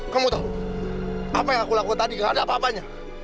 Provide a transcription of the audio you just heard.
kamu tahu apa yang aku lakukan tadi gak ada apa apanya